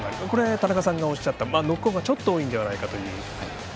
田中さんがおっしゃったノックオンがちょっと多いのではないかという。